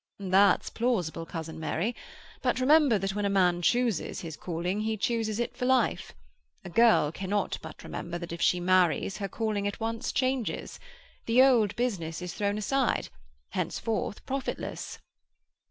"That's plausible, cousin Mary. But remember that when a man chooses his calling he chooses it for life. A girl cannot but remember that if she marries her calling at once changes. The old business is thrown aside—henceforth profitless."